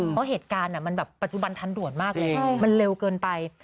เพราะเหตุการณ์มันแบบปัจจุบันทันด่วนมากเลยมันเร็วเกินไป